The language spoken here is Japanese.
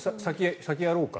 先やろうか。